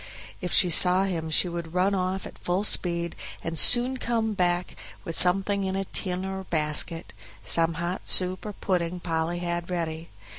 If she saw him she would run off at full speed and soon come back with something in a tin or basket, some hot soup or pudding Polly had ready.